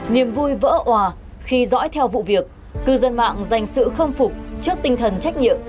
niềm vui vỡ hòa khi dõi theo vụ việc cư dân mạng dành sự khâm phục trước tinh thần trách nhiệm